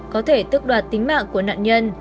có thể tước đoạt tính mạng của nạn nhân